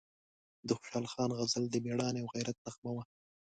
د خوشحال خان غزل د میړانې او غیرت نغمه وه،